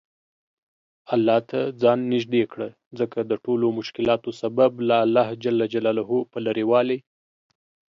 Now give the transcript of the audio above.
الله ته ځان نیژدې کړه ځکه دټولومشکلاتو سبب له الله ج په لرې والي